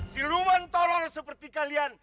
si luman torol seperti kalian